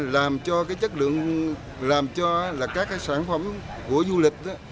làm cho các sản phẩm du lịch